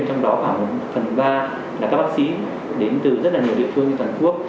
trong đó khoảng phần ba là các bác sĩ đến từ rất nhiều địa phương như toàn quốc